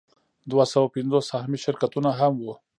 دوه سوه پنځوس سهامي شرکتونه هم وو